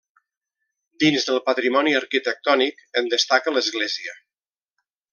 Dins del patrimoni arquitectònic en destaca l'església.